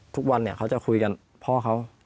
ทุกวันเนี่ยเขาจะคุยกับพ่อเขา